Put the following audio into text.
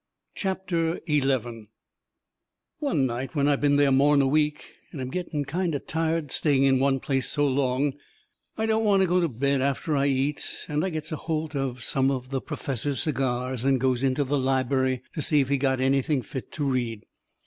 CHAPTER XI One night when I've been there more'n a week, and am getting kind o' tired staying in one place so long, I don't want to go to bed after I eats, and I gets a holt of some of the perfessor's cigars and goes into the lib'ary to see if he's got anything fit to read.